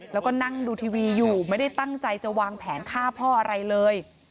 แล้วก็นั่งดูทีวีอยู่ไม่ได้ตั้งใจจะวางแผนฆ่าพ่ออะไรเลย